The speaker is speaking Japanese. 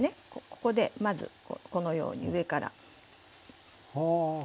ここでまずこのように上から。